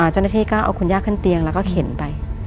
เจ้าหน้าที่ก็เอาคุณย่าขึ้นเตียงแล้วก็เข็นไป